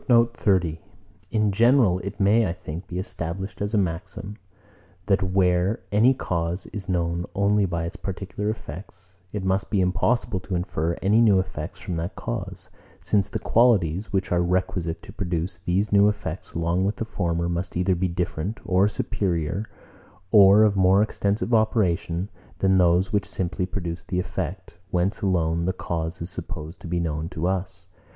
In general, it may, I think, be established as a maxim, that where any cause is known only by its particular effects, it must be impossible to infer any new effects from that cause; since the qualities, which are requisite to produce these new effects along with the former, must either be different, or superior, or of more extensive operation, than those which simply produced the effect, whence alone the cause is supposed to be known to us.